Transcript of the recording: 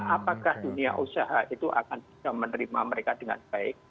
apakah dunia usaha itu akan bisa menerima mereka dengan baik